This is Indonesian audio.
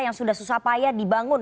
yang sudah susah payah dibangun